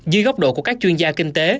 duy góc độ của các chuyên gia kinh tế